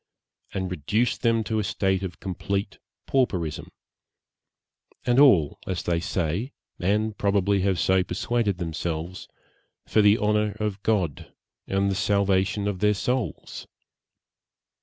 _ and reduced them to a state of complete pauperism and all, as they say, and probably have so persuaded themselves, for the honour of God, and the salvation of their souls!